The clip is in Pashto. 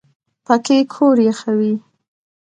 پکۍ کور یخوي